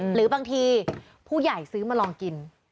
หรือบางทีผู้ใหญ่ซื้อมาลองกิน